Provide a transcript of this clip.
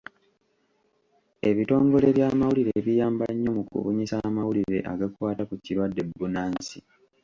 Ebitongole by'amawulire biyamba nnyo mu kubunyisa amawulire agakwata ku kirwadde bbunansi.